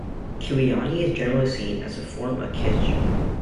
Kiwiana is generally seen as a form of kitsch.